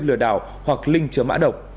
lừa đảo hoặc link chớ mã độc